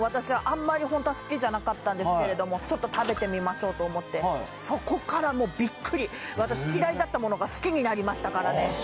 あんまりホントは好きじゃなかったんですけれどもちょっと食べてみましょうと思ってそこからもうビックリ私嫌いだったものが好きになりましたからね